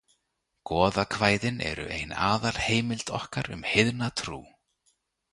Goðakvæðin eru ein aðalheimild okkar um heiðna trú.